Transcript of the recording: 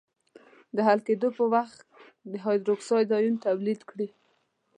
د حل کېدو په وخت د هایدروکساید آیون تولید کړي.